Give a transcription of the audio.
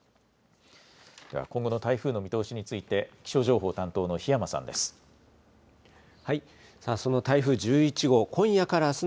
では今後の台風の見通しについて気象情報担当の檜山さんです。